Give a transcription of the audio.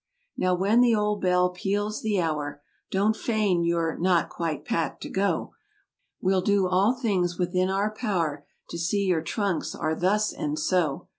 Now when the old bell peals the hour Don't feign you're "not quite packed" to go; We'll do all things within our pow'r To see your trunks are thus and so.